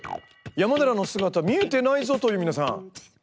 山寺の姿見えてないぞ！という皆さんご安心ください。